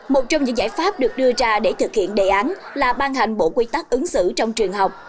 một trong những giải pháp được đưa ra để thực hiện đề án là ban hành bộ quy tắc ứng xử trong trường học